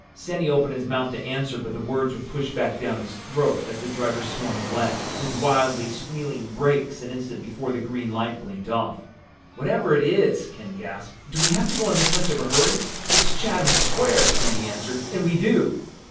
Sandy opened his mouth to answer, but the words were pushed back down his throat as the driver swung left, with wildly squealing brakes, an instant before the green light blinked off. "Wherever it is," Ken gasped, "do we have to go in this much of a hurry?" "It's Chatham Square," Sandy answered. "And we do."